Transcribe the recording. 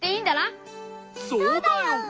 そうだよ！